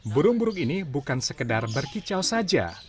burung burung ini bukan sekedar berkicau saja